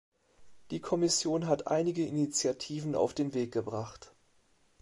Die Kommission hat einige Initiativen auf den Weg gebracht.